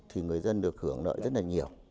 thì người dân được hưởng nợ rất là nhiều